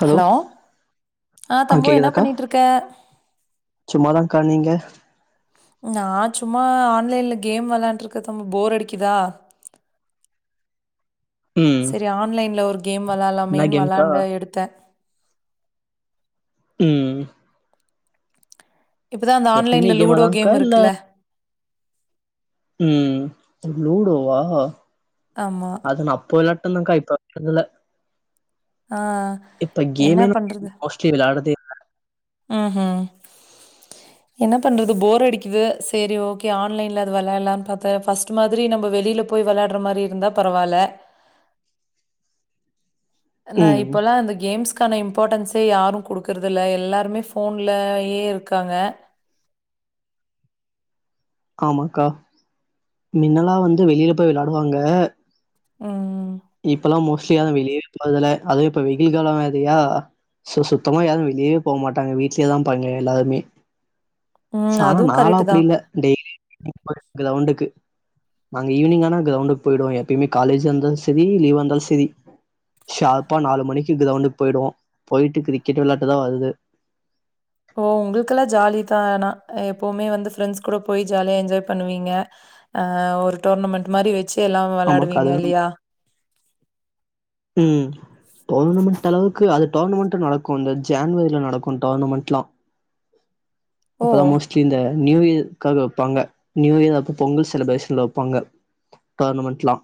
Hello ஆ தம்பு என்ன கேக்குதா க்கா பண்ணிட்ருக்க? சும்மாதா கா நீங்க நா சும்மா ஆன்லைன்ல கேம் வெளாண்டுருக்கதம்மு போர் அடிக்குதா ம் சரி ஆன்லைன்ல ஒரு கேம் வெளாட்லாமே என்ன கேம்க்கா வெளாண்ட எடுத்த ம் இப்ப தா அந்த எப்பயுமே ஆன்லைன்ல கேமா லூடோ தான்க்கா கேம் இல்ல இருக்குல்ல ம் லூடோ வா ஆமா அது நா அப்ப விளாட்டுந்தக்கா இப்ப விளாறதுல்ல ஆ இப்ப என்ன கேமே [inaudible] மோஸ்ட்லி விளாடதே ம் ஹு என்ன பண்றது போர் அடிக்குது செரி ஓகே ஆன்லைன்ல அது வெளாலான்னு பாத்த ஃபர்ஸ்ட்டு மாதிரி நம்ம வெளில போய் வெளாட்ற மாரி இருந்தா பரவால்ல நா ம் இப்பெல்லா அந்த கேம்ஸ் க்கான இம்பார்ட்டன்ஸே யாரு குடுக்கறதில்ல எல்லாருமே ஃபோன்லயே இருக்காங்க ஆமாக்கா இனிமேல்லா வந்து வெளியில போய் வெளாடுவாங்க ம்ம் இப்பல்லா மோஸ்ட்லியா நா வெளியவே போறதில்ல அதுவு இப்போ வெயில் காலோ வருது இல்லையா சோ சுத்தமாக யாரு வெளியே போக மாட்டாங்க வீடிலேய தான் பாருங்க எல்லாருமே ம். சாமி அதுவும் நால்லா கரெக்ட்டு அப்டி தான். இல்ல டெய்லியு கிரிக்கெட் [inaudible] கிரவுண்டுக்கு நாங்க ஈவ்னிங்க ஆனா கிரௌண்டுக்கு போயிடுவோ எப்பயுமே காலேஜ் இருந்தாலு செரி லீவ்வா இருந்தாலு செரி ஷார்பா நாலு மணிக்கு கிரவுண்டுக்கு போயிடுவோ போயிட்டு கிரிக்கெட் விளையாட்டு தா வர்றதே ஓ உங்களுக்கெல்லா ஜாலி தா ஆனா எப்பவுமே வந்து ஃப்ரெண்ட்ஸ் கூட போய் ஜாலியா என்ஜாய் பண்ணுவீங்க ஆ ஒரு டென்னிஸ் டோரன்மென்ட் மாரி வச்சி எல்லா ஆமாக்கா வெளையாடுவீங்க அது இல்லையா ம் டோர்னமென்ட் அளவுக்கு அது டோர்னமென்ட் நடக்கு இந்த ஜான்வரிவ நடக்கு இந்த டோர்னமென்ட்லா ஓ! அப்பெல்லா மோஸ்ட்லி இந்த நியூ இயர்காக வெப்பாங்க நியூ இயர் அப்ப பொங்கல் செலிப்ரேஷன்ல வெப்பாங்க டோர்னமென்ட்லா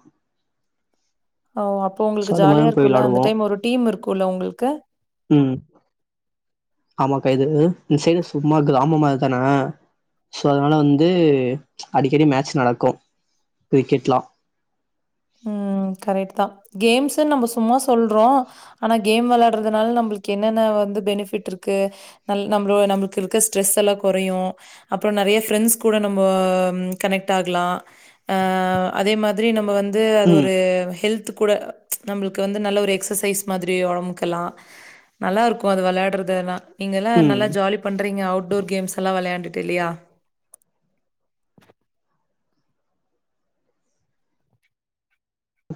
ஓ அப்போ சோ உங்களுக்கு அது ஜாலிய மாரி போய் இருக்குல்ல அந்த விளாடுவோ டைம் ஒரு டீம் இருக்கும்ல உங்களுக்கு ம் ஆமாக்கா இது இந்த சைடு சும்மா கிராம மாரிதானே சோ அதனால வந்து அடிக்கடி மேட்ச் நடக்கு கிரிக்கெட்லா ம் கரெக்ட் தா கேம்ஸ்சுன்னு நம்ம சும்மா சொல்றோ ஆனா கேம் வெளையாட்றதுனால நம்மளுக்கு என்னென்ன வந்து பெனிபிட் இருக்கு நல் நம்மள நம்மளுக்கு இருக்க ஸ்ட்ரெஸ் எல்லா கொறையு அப்றோ நறைய ஃப்ரெண்ட்ஸ் கூட நம்ம கனெக்ட் ஆகலா அ அதே மாதிரி நம்ம வந்து அது ம் ஒரு ஹெல்த் கூட நம்மளுக்கு வந்து நல்ல ஒரு எக்ஸசைஸ் மாதிரி ஒடம்புக்கெல்லா நல்லா இருக்கு அது வெளையாட்றது எல்லா நீங்க எல்லா ம் நல்லா ஜாலி பண்ணுறீங்க அவுட்டோர் கேம்ஸ் எல்லா வெளையாண்டுட்டு இல்லையா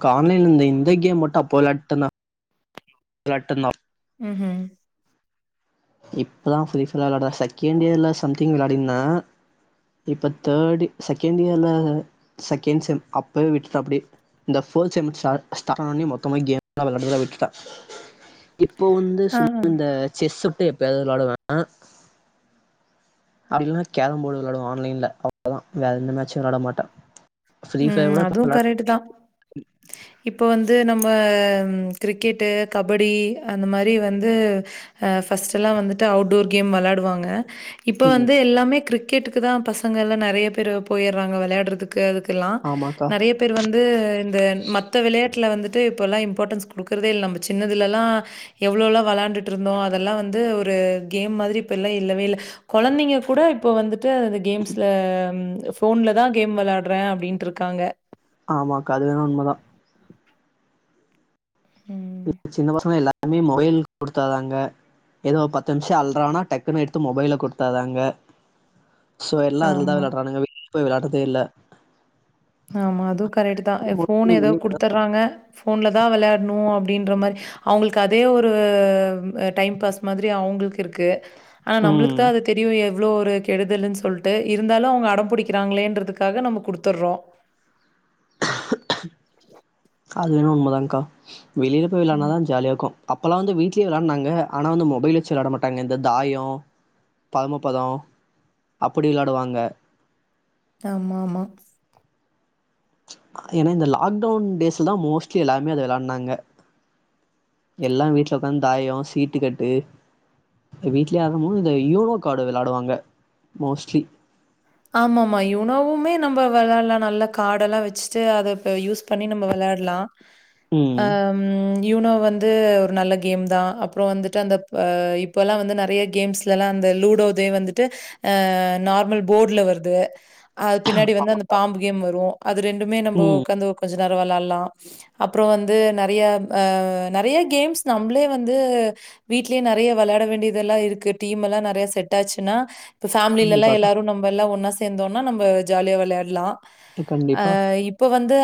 கா ஆன்லைன்ல இந்த இந்த கேம் மட்டு அப்போ வெளாட்டு இருந்தா வெளாட்டு இருந்தா ம் ம் இப்பதா ஃப்ரீ பையர் விளாட்ல செகண்ட் இயர்ல சமிங் வெளையாடிந்த இப்ப தேர்டு செகண்ட் இயர்ல செகண்ட் செம் அப்பயே விட்டுட்டே அப்டியே இந்த ஃபர்ஸ்ட் செமஸ்டர் ஸ்டா ஸ்டார்ட் ஆனா ஒட்னே மொத்தம கேம் விளாட்றதே விட்டுட்டே இப்போ வந்து ஆ. சும்மா இந்த செஸ் மட்டு எப்போயாது வெளையாடுவே அப்டி இல்லனா கேரம் போர்டு விளையாடுவோ ஆன்லைன்ல அவ்ளோதா வேற எந்த மேட்சு வெளாட மாட்ட ம் அதுவு கரெக்ட் தா ம் இப்ப வந்து நம்ம கிரிக்கெட்டு கபடி அந்த மாரி வந்து ஆ ஃபர்ஸ்ட் எல்லா வந்துட்டு அவுட்டோர் கேம் விளாடுவாங்க இப்போ ம் வந்து எல்லாமே கிரிக்கெட்டுக்கு தா பசங்க எல்லா நறைய பேர் போயிட்றாங்க விளையாட்றதுக்கு அதுக்கு க்குலா ஆமாக்கா நறைய பேர் வந்து இந்த மத்த விளையாட்டுல வந்துட்டு இப்போல்லா இம்பார்ட்டன்ஸ் குடுக்குறதே இல்ல நம்ம சின்னதுலல்லா எவ்ளோல்லா வெளாண்டுட்டு இருந்தோ அதெல்லா வந்து ஒரு கேம் மாதிரி இப்ப எல்லா இல்லவே இல்ல கொழந்தைங்க கூட இப்போ வந்துட்டு அந்த கேம்ஸில் ஃபோன்ல தா கேம் வெள்யாட்றே அப்பிடின்ட்டு இருக்காங்க ஆமா கதையெல்லா உண்மதா இ ம். சின்ன பசங்களா எல்லாருமே மொபைல் குடுத்தாதாங்க ஏதோ பத்து நிமிஷோ அல்றானா டக்குன்னு எடுத்து மொபைல குடுத்தாதாங்க சோ எல்லா அதுல தா ஆமா. வெளையாட்றங்க வீட்டுக்கு போய் வெளையாடுறதே இல்ல ஆமா அதும் கரெக்ட் தா ஃபோன் ஏதாவது குடுத்துர்றாங்க போன்ல தா வெளயாடணு அப்டின்ற மாரி அவுங்களுக்கு அதே ஒரு அ டைம் பாஸ் மாரி அவுங்களுக்கு இருக்கு ஆனா நம்மளுக்கு ம் தா அது தெரியவே இவ்ளோ ஒரு கெடுதல்ன்னு சொல்ட்டு இருந்தாலு அவுங்க அடம்புடிக்கிறாங்களேன்றதுக்காக நம்ம குடுத்தர்றோ அது என்னமோ உண்மதான்கா வெளில போய் ம். வெளயான்னாதா ஜாலியாருக்கு அப்பலா வந்து வீ்ட்லயே வெளையாட்னாங்க ஆனா வந்து மொபைல் வச்ச வெளாட மாட்டாங்க இந்த தாயோ பதம பதோ அப்டி வெள்ளாடுவாங்க ஆமாமா ஏன்னா இந்த லாக்டவுன் டேஸ்லதா மோஸ்ட்லி எல்லாமே அத வெள்ளானாங்க எல்லா வீட்ல உக்காந்து தாயே சீட்டுக்கட்டு எ வீட்லய ஆடும்போது இந்த யூனோ கார்டு வெளயாடுவாங்க மோஸ்ட்லி ஆமாமா யூனோவுமே நம்ம வெளாலா நல்ல காடெல்லா வச்சுட்டு அத இப்போ யூஸ் பண்ணி நம்ம வெளயாட்லா ம் அ ம் யூனோ வந்து ஒரு நல்ல கேம் தா அப்பறோ வந்துட்டு அந்த அ ப் இப்பலா வந்து நெறைய கேம்ஸல்லா அந்த லூடோ வந்துட்டு அ‌ நார்மல் போர்ட்ல வருது அது பின்னாடி வந்து அந்த பாம்பு கேம் வரு அது ரெண்டுமே நம்ம ம் உக்காந்து கொஞ்ச நேரோ வெளால்லா அப்பறோ வந்து நறைய அ நறைய கேம்ஸ் நம்பளே வந்து வீட்லயே நறைய வெளயாட வேண்டியதெல்லா இருக்கு டீம் எக்மெல்லா நெறைய செட்டாச்சுன்னா இப்போ ஃபேமிலிலல்லா கண்டிப்பாக்கா எல்லாரு நம்ம எல்லா ஒன்னா சேந்தோன்னா நம்ம ஜாலியா வெளயாட்லா ஆ கண்டிப்பா இப் போ வந்து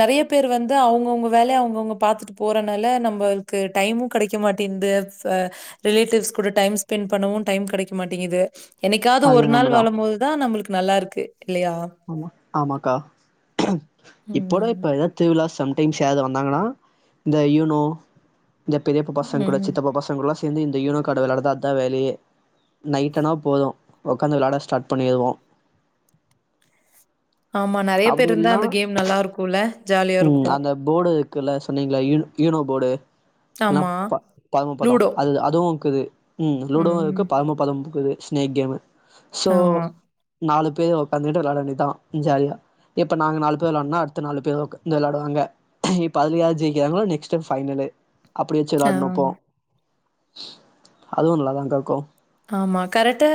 நறைய பேர் வந்து அவுங்கவுங்க வேலைய அவுங்கங்க பாத்துட்டு இப்ப போறனால நம்மளுக்கு டைமு கடைக்க மாட்டேந்து ப ரிலேட்டிவ்ஸ் கூட டைம் ஸ்பெண்ட் பண்ணவு டைம் கெடைக்க மாட்டேங்கிது என்னைக்காவது அது ஒரு நாள் உண்மதா வரும் போதுதா நம்மளுக்கு நல்லா இருக்கு இல்லயா ம் ஆமாக்கா இப்போட ம். இப்ப ஏதா திருவிழா சம்டைம்ஸ் யாராவது வந்தாங்கன்னா இந்த யூனோ இந்த பெரியப்ப பசங்க்கூட ம். சித்தப்ப பசங்கலோட சேந்து இந்த யூனோ காட வெளாட்டுறதுதா அதா வேலயே நைட் ஆனா போது உக்காந்து வெளாட ஸ்டார்ட் பண்ணிருவோ ஆமா நறைய அப்டி பேருந்தா இல்னா அந்த கேம் நல்லாருக்குல்ல ஜாலியாருக்கு போர்ட்டு இருக்குல்ல சொன்னிங்கள யூ யூனோ போர்ட்டு எல்லாம் ஆமா. பரம பதோ லூடோ. அத் அதுவு இருக்குது ம் லூடோவுருக்கு பரம பதம்முக்குது ஸ்னேக் கேமு சோ ஆமா. நாலு பேர் உக்காந்துட்டு வெளயாட வேண்டிதா ம் ஜாலியா இப்ப நாங்க நாலு பேர் வெள்ளான்டோனா அடுத்த நாலு பேர் உக் அ வந்து வெள்ளாடுவாங்க இப்ப அதுலையாது ஜெயிக்கிறங்களோ நெக்ட் டைம் பைனலு அப்பிடி வெச்சு வெள்ளாடனு ஆ. இப்போ அதுவு நல்லாதாங்காருக்கோ ஆமா கரெக்டா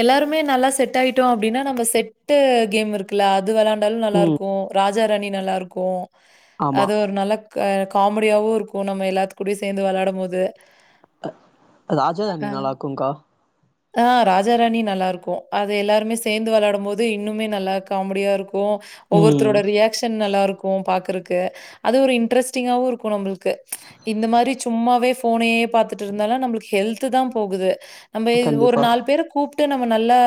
எல்லாருமே நல்லா செட்டாயிட்டோ அப்டின்னா நம்ம செட் டு கேமுருக்குல்ல அது வெளாட் நாலு ம் நல்லாருக்கு ராஜாராணி நல்லாருக்கு ஆமா அது ஒரு நல்ல க்க காமெடியாவு இருக்கு நம்ம எல்லாத்து கூடியு சேந்து வெள்ளாடும் போது ராஜா ராணி நல்லார்க்கும்கா ஆ ராஜா ராணி நல்லா இருக்கு அது எல்லாருமே சேந்து வெளையாடும் போது இன்னுமே நல்லா காமெடியா இருக்கு ம் ஒவ்வொருத்தரோட ரியாக்ஷன் நல்லாயிருக்கும் பாக்குறக்கு அது ஒரு இன்ட்ரெஸ்டிங்காவும் இருக்கும் நம்ளுக்கு இந்த மாரி சும்மாவே ஃபோனையே பாத்துட்டு இருந்தாலா நம்மளுக்கு ஹெல்து தான் போகுது நம்ம ஒரு கண்டிப்பா நாலு பேர கூப் ட்டு நம்ம நல்லா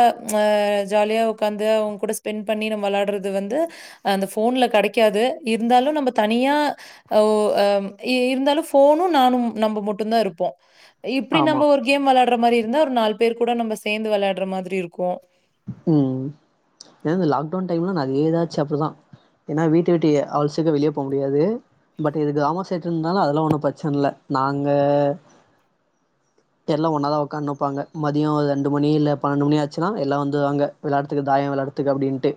ஜாலியா உக்காந்து அவுங்க கூட ஸ்பெண்ட் பண்ணி நம்ம வெளாடுறது வந்து அந்த ஃபோன்ல கெடைக்காது இருந்தாலும் நம்ம தனியா இருந்தாலும் ஃபோனும் நானும் நம்ப மட்டும் தான் இருப்போம் இப்டி நம்ப ஆமா ஒரு கேம் வெளையாடுற மாரி இருந்தா ஒரு நாலு பேர் கூட நம்ம சேர்ந்து வெளையாடுற மாரி இருக்கும் ம் ஏ இந்த லாக்டவுன் டைம்லான் நெறய இதாச்சு அப்டிதான் ஏனா வீட்ட வீட்டு அவளோ சீக்கர வெளியே போ முடியாது பட் இது கிராம சைட் இருந்தாலும் அதெலாம் ஒண்ணும் பிரச்சன இல்ல நாங்க எல்லா ஒன்னா தான் உக்காந்துப்பாங்க மதியம் ஒரு ரெண்டு மணி இல்ல பன்னெண்டு மணி ஆச்சுனா எல்லா வந்து து வாங்க வெளாறதுக்கு தாயம் வெளாறதுக்கு அப்டின்ட்டு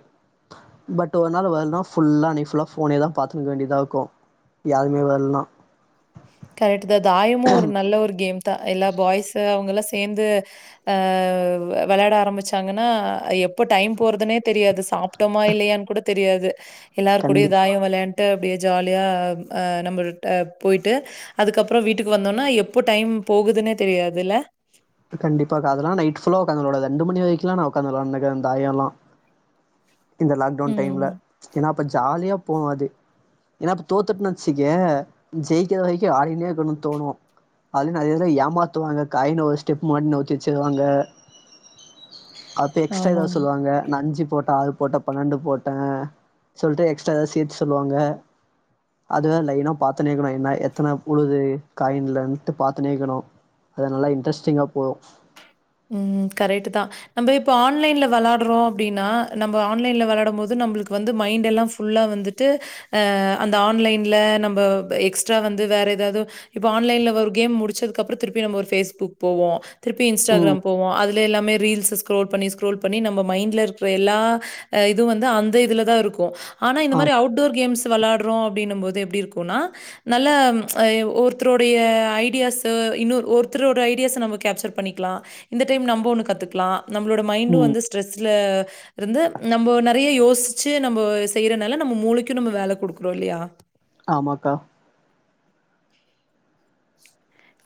பட் ஒரு நாள் வரனா ஃபுல்லா அன்னக்கி ஃபுல்லா ஃபோனேதான் பாத்துன்னு இருக்க வேண்டியதா இருக்கும் யாருமே வர்ல்னா கரெக்ட் தான் தாயமும் ஒரு நல்ல ஒரு கேம் தான் எல்லா பாய்ஸ்ஸு அவங்கள சேந்து அ வெளாட ஆரம்பிச்சாங்கன்னா எப் போ டைம் போறதுனே தெரியாது சாப்ட்டோமா இல்லையான்னு கூட தெரியாது எல்லார் கூடயும் கண்டிப்பா தாயம் வெளையா ட்டு அப்டியே ஜாலியா அ நம்ள்ட்ட போயிட்டு அதுக்கப்பறம் வீட்டுக்கு வந்தோனா எப்போ டைம் போகுதுனே தெரியாதுல்ல கண்டிப்பா கா அதல்லாம் நைட் ஃபுல்ல ஒக்காந்து வெளாட ரெண்டு மணி வரைக்கும்ல்லா நா ஒக்காந்து வெளண்டேன் கா இந்த தாயல்லா இந்த லாக்டவுன் டைம்ல ம். ஏனா அப்ப ஜாலியா போவு அது ஏனா இப்ப தோத்துட்டுன்னு வெச்சுக்கயே ஜெயிக்கர வரைக்கு ஆடினே இருக்கணும் தோணு அது நெறையவே ஏமாத்துவாங்க காயின் ஒரு ஸ்டெப் மாட் நோத்திச் வெச்சுருவாங்க அப்ப எக்ஸ்ட்ரா ஆமாமா. எதாவது சொல்லுவாங்க நா அஞ்சு போட்ட ஆறு போட்டன் பன்னெண்டு போட்டேன் சொல்ட்டு எக்ஸ்ட்ரா எதா சேத்து சொல்லுவாங்க அதுவே லைன்னா பாத்துனேக்கணும் என்ன எத்தனை உழுது காயின்லன்ட்டு பாத்தனேக்கணு அத நல்லா இன்ட்ரெஸ்டிங்கா போவ் ம் கரட்டுதான் நம்ப இப்ப ஆன்லைன்ல வெளாடுறோம் அப்டின்னா நம்ம ஆன்லைன்ல வெளாடும் போது நம்மளுக்கு வந்து மைண்ட் எல்லா ஃபுல்லா வந்துட்டு அந்த ஆன்லைன்ல நம்ப எக்ஸ்ட்ரா வந்து வேற ஏதாது இப்ப ஆன்லைன்ல ஒரு கேம் முடிச்சதுகு அப்றோ திருப்பி நம்ம ஒரு பேஸ்புக் போவோ திருப்பி ம் இன்ஸ்டாகிராம் போவோம் அதுல எல்லாமே ரீல்ஸ் ஸ்ரோல் பண்ணி ஸ்ரோல் பண்ணி நம்ம மைண்ட்ல இருக்கிற எல்லா இது வந்து அந்த இதுல தான் இருக்கும் ஆனா இந்த மாரி ஆமா அவுட் டோர் கேம்ஸ் வெளாடுறோ அப்டின்ன போது எப்டி இருக்கும்னா நல்ல ஒருத்தருடைய ஐடியாஸ்ஸு இன்னொ ஒருத்தோட ஐடியாஸ் நம்ம கேப்சர் பண்ணிக்கலா இந்த டைம் நம்ப ஒன்னு கத்துக்கலா நம்மளோட மைண்டும் ம் வந்து ஸ்ட்ரெஸ்ல இருந்து நம்ப நெறைய யோசிச்சு நம்ப செய்யறனால நம்ம மூளைக்கும் நம்ம வேல குடுக்குறோம் இல்லையா ஆமாக்கா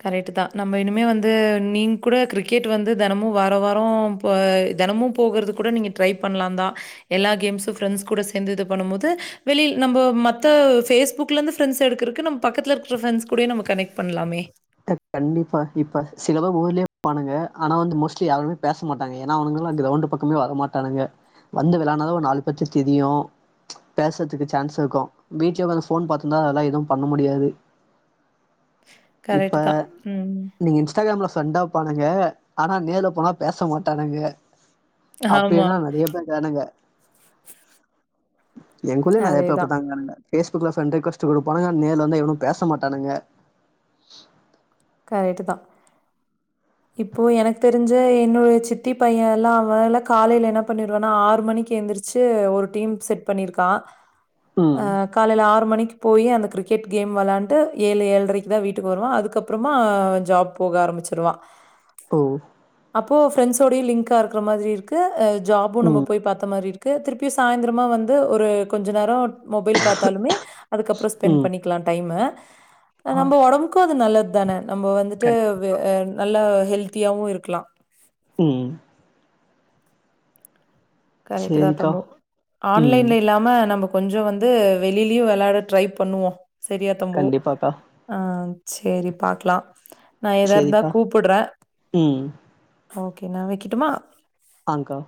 கரெக்ட் தான் நம்ம இனிமே வந்து நீங்க கூட கிரிக்கெட் வந்து தெனமும் வார வாரம் அ தெனமும் போகுறது கூட நீங்க ட்ரை பண்ணலாம் தான் எல்லா கேம்ஸும் ஃப்ரெண்ட்ஸ் கூட சேந்து இது பண்ணும் போது வெளில் நம்ப மத்த ஃபேஸ்புக்லருந்து ஃப்ரண்ட்ஸ் எடுக்குறக்கு நம்ப பக்கத்தில்ல இருக்கிற ஃப்ரண்ட்ஸ் கூட நம்ம கனெக்ட் பண்லாமே த்த கண்டிப்பா இப்ப சில பேர் ஊர்லயே இப்பான்னுங்க ஆனா வந்து மோஸ்ட்லி யாருமே பேச மாட்டாங்க ஏன்ன அவங்களா கிரௌண்ட் பக் கமே வரமாட்டானுங்க வந்து வெளாட்னாதா ஒரு நாலு பேத்த தெரியு ம்ச் பேசுறதுக்கு சான்ஸ் இருக்கு வீட்லே ஓக்கந்து அ ஃபோன் பாத்தந்தான் அதல்லா எதுவு பண்ண முடியாது கரெக்ட் இப்ப தான். ம். நீ இண்டாகிராம்ல பிரண்ட்டா இருப்பானுங்க ஆனா நேர்ல போனா பேச மாட்டானுங்க ஆமா. அப்பனா நெறைய பேர் இருக்குறானுங்க எங்க ஊர்லயு நெறைய பேர் அதேதான். அப்டிதா இருக்குறானுங்க ஃபேஸ் புக்ல ஃப்ரண்ட் ரெக்வஸ்ட் குடுப்பாங்க நேர்ல வந்து எவனும் பேசமாட்டானங்க கரெக்ட்தா இப்போ எனக்கு தெரிஞ்ச என்னுடைய சித்தி பையன் எல்லா அவான்ல காலையில என்ன பண்ணிருவேன்னா ஆறு மணிக்கு எழுந்திரிச்சு சு ஒரு டீம் செட் பண்ணிருக்கா ம். ஆ ம்ச் காலையில ஆறு மணிக்கு போய் அந்த கிரிக்கெட் கேம் விளையாண்டுட்டு ஏழு ஏழரைக்கு தான் வீட்டுக்கு வருவான் அதுக்கப்புறமா ஜாப் போக ஆரம்பிச்சிருவா ஓ அப்போ ஃப்ரெண்ட்ஸோடய லிங்க் ஆக்கற மாதிரி இருக்கு ஜாப்பூ நம்ம ம். போய் பாத்த மாரி இருக் கு திருப்பியு சாயந்திரமா வந்து ஒரு கொஞ்ச நேரோ மொபைல் பாத்தாலுமே அதுக்கப்புறோ ஸ்பெண்டட் ம். பண்ணிக்கலா டைம ஆ. நம்ம உடம்புக்கு அது நல்லது தானே நம்ம வந்துட்டு கண் வே ஆ நல்லா ஹெல்த்தியாவு இருக்கலா ம் கரெக்ட் தான் சரிக்கா. தம்பு ம். ஆன்லைன்ல இல்லாம நம கொஞ்சோ வந்து வெளிலேயு விளையாட ட்ரை பண்ணுவோ செரியா தம்பு கண்டிப்பாக்கா ஆ செரி பாக்கலா நா எதா இருந்தா சேரிக்கா கூப்புடுறேன் ம் ஓகே நா வைக்கட்டுமா ஆங்க்கா